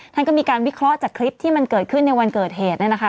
ท่านก็มีการวิเคราะห์จากคลิปที่มันเกิดขึ้นในวันเกิดเหตุเนี่ยนะคะ